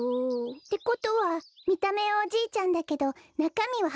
てことはみためはおじいちゃんだけどなかみははなかっ